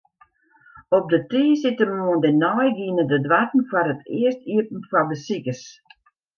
Op de tiisdeitemoarn dêrnei giene de doarren foar it earst iepen foar besikers.